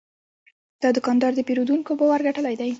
دا دوکاندار د پیرودونکو باور ګټلی دی.